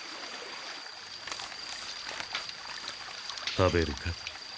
食べるか？